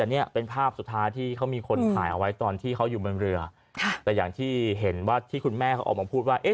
แต่เนี่ยเป็นภาพสุดท้ายที่เขามีคนถ่ายเอาไว้ตอนที่เขาอยู่บนเรือค่ะแต่อย่างที่เห็นว่าที่คุณแม่เขาออกมาพูดว่า